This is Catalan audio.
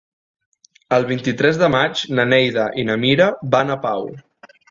El vint-i-tres de maig na Neida i na Mira van a Pau.